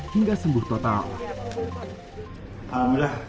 hingga sembuh total